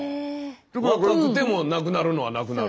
若くてもなくなるのはなくなる。